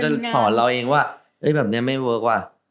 ค่อยถามว่าแบบนี้ไม่เวิร์คว่ะ